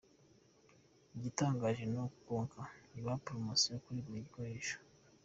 Igitangaje ni uko Konka ibaha iyi promosiyo kuri buri gikoresho.